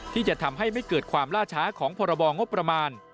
ที่จะทำให้ไม่เกิดความล่าช้าของพรบงบประมาณ